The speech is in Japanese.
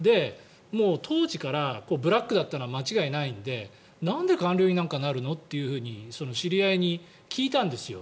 当時からブラックだったのは間違いないのでなんで官僚になんかなるの？って知り合いに聞いたんですよ。